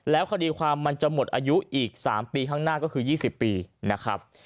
คดีความมันจะหมดอายุอีก๓ปีข้างหน้าก็คือ๒๐ปีนะครับ